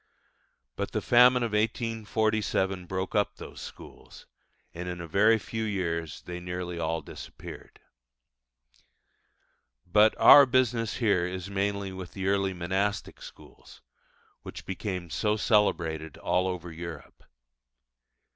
But the famine of 1847 broke up those schools, and in a very few years they nearly all disappeared. But our business here is mainly with the early monastic schools, which became so celebrated all over Europe.